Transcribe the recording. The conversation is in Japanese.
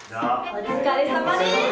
お疲れさまです！